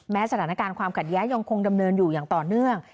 สถานการณ์ความขัดแย้ยังคงดำเนินอยู่อย่างต่อเนื่อง